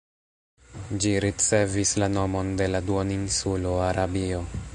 Ĝi ricevis la nomon de la duoninsulo Arabio.